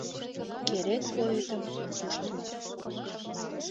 Керек поэтым пуштмо